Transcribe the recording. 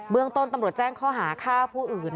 เมืองต้นตำรวจแจ้งข้อหาฆ่าผู้อื่น